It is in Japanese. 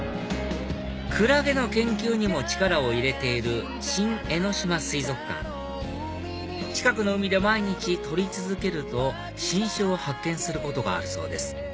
クラゲの研究にも力を入れている新江ノ島水族館近くの海で毎日取り続けると新種を発見することがあるそうです